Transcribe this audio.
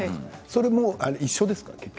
それも一緒ですか？